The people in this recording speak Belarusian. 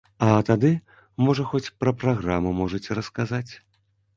А тады, можа, хоць пра праграму можаце расказаць?